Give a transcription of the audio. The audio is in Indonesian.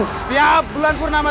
setiap bulan purnama